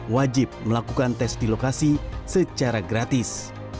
wajib melakukan tes di lokasi secara gratis